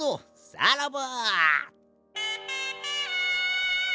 さらば！